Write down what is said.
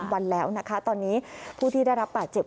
วันแล้วนะคะตอนนี้ผู้ที่ได้รับบาดเจ็บ